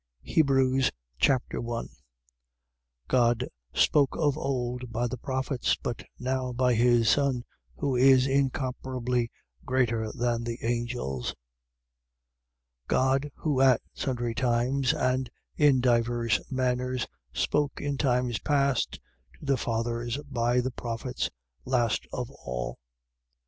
Hebrews Chapter 1 God spoke of old by the prophets, but now by his Son, who is incomparably greater than the angels. 1:1. God, who, at sundry times and in divers manners, spoke in times past to the fathers by the prophets, last of all, 1:2.